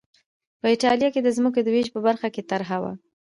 په اېټالیا کې د ځمکو د وېش په برخه کې طرحه وه